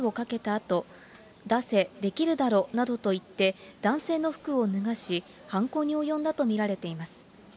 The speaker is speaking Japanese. あと、出せ、できるだろなどと言って、男性の服を脱がし、犯行に及んだと見られています。